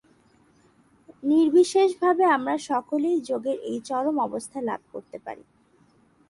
নির্বিশেষভাবে আমরা সকলেই যোগের এই চরম অবস্থা লাভ করিতে পারি।